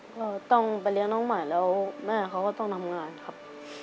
ก็ต้องไปเลี้ยงน้องใหม่แล้วแม่เขาก็ต้องทำงานครับ